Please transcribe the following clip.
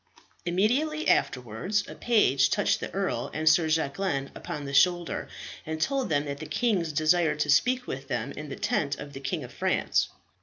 Immediately afterwards a page touched the earl and Sir Jacquelin upon the shoulder, and told them that the kings desired to speak with them in the tent of the King of France.